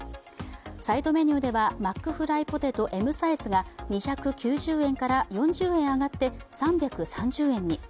サイドメニューではマックフライポテトＭサイズが２９０円から４０円上がって３３０円に。